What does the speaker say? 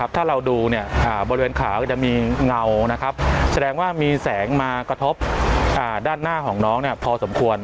ถ้าเราดูบริเวณขาจะมีเงาแสดงว่ามีแสงมากระทบด้านหน้าของน้องพอสมควร